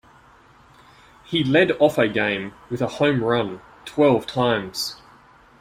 He led off a game with a home run twelve times.